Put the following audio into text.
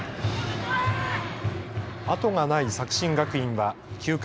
後がない作新学院は９回。